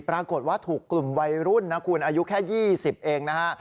ปรากฏว่าถูกกลุ่มวัยรุ่นนะคุณอายุแค่๒๐เองนะฮะ